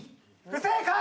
不正解！